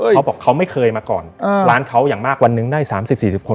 เขาบอกเขาไม่เคยมาก่อนร้านเขาอย่างมากวันหนึ่งได้๓๐๔๐คน